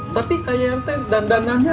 tapi kayak yang tadi dandanannya